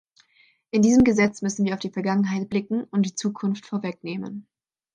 In diesem Gesetz müssen wir auf die Vergangenheit blicken und die Zukunft vorwegnehmen.